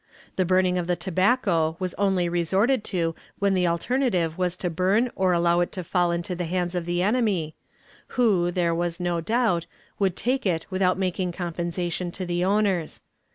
The burning of the tobacco was only resorted to when the alternative was to burn or allow it to fall into the hands of the enemy, who, there was no doubt, would take it without making compensation to the owners.